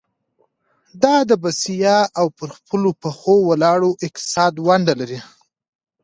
دا د بسیا او پر خپلو پخو ولاړ اقتصاد ونډه لري.